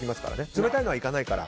冷たいのはいかないから。